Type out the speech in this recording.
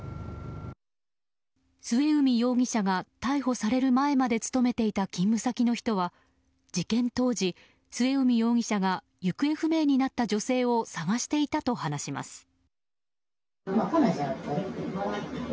末海容疑者が逮捕される前まで勤めていた勤務先の人は事件当時、末海容疑者が行方不明になった女性を捜していたと話します。